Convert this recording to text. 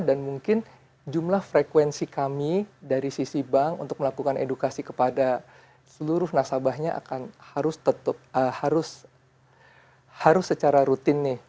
mungkin jumlah frekuensi kami dari sisi bank untuk melakukan edukasi kepada seluruh nasabahnya akan harus tetap harus secara rutin nih